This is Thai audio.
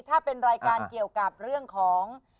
ถ้าเป็นรายการเกี่ยวกับเรื่องของ